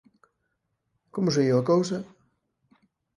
Como saíu a cousa?